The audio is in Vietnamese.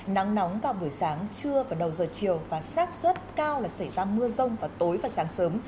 nắng nóng vào buổi sáng trưa và đầu giờ chiều và sát xuất cao là xảy ra mưa rông vào tối và sáng sớm